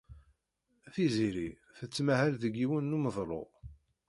Tiziri tettmahal deg yiwen n umedlu.